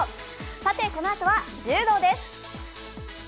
さてこのあとは柔道です。